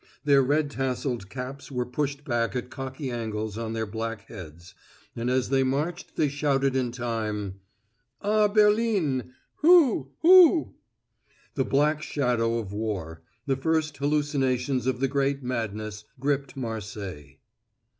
Their red tasseled caps were pushed back at cocky angles on their black heads, and as they marched they shouted in time: "A Berlin! Hou hou!" The black shadow of war the first hallucinations of the great madness gripped Marseilles.